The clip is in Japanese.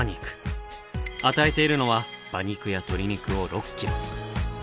与えているのは馬肉や鶏肉を６キロ。